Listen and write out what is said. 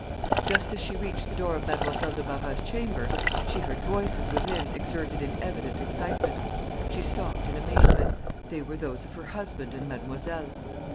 Just as she reached the door of Mademoiselle de Barras's chamber, she heard voices within exerted in evident excitement. She stopped in amazement. They were those of her husband and mademoiselle.